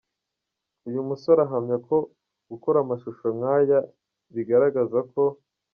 Uyu musore ahamya ko gukora amashusho nkaya bigaragaza ko.